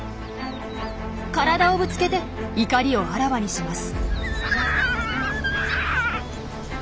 体をぶつけて怒りをあらわにします。